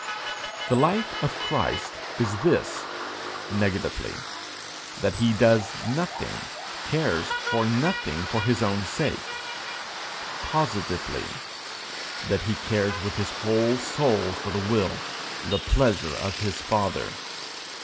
The life of Christ is this negatively, that he does nothing, cares for nothing for his own sake; positively, that he cares with his whole soul for the will, the pleasure of his father.